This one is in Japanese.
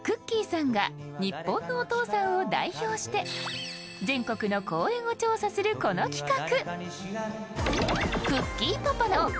さんが日本のお父さんを代表して全国の公園を調査するこの企画。